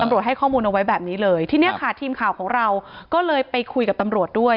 ให้ข้อมูลเอาไว้แบบนี้เลยทีนี้ค่ะทีมข่าวของเราก็เลยไปคุยกับตำรวจด้วย